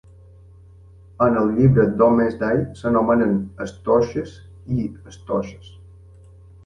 En el Llibre Domesday s"anomenen "Estoches" i "Stoches".